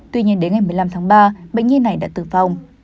tuy nhiên đến ngày một mươi năm tháng ba bệnh nhi này đã tử vong